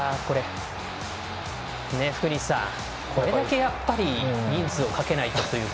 福西さん、これだけ人数をかけないとというか。